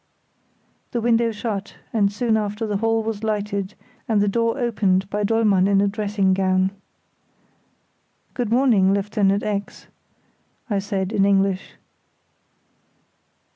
The window shut, and soon after the hall was lighted and the door opened by Dollmann in a dressing gown. "Good morning, Lieutenant X——," I said, in English.